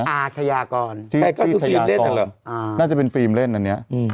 อาชยากรที่ชินเล่นน่าจะเป็นฟีล์มเล่นอันเนี้ย